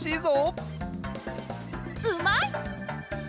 うまい！